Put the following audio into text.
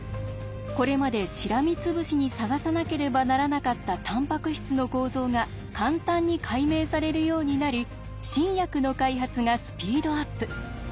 これまでしらみつぶしに探さなければならなかったタンパク質の構造が簡単に解明されるようになり新薬の開発がスピードアップ。